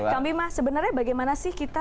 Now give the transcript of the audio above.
kambi mas sebenarnya bagaimana sih kita